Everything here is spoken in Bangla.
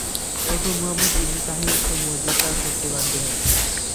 এরপর মুহাম্মদ ইবনে তাহির সমঝোতা করতে বাধ্য হন।